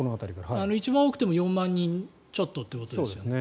一番多くても４万人ちょっとというところですね。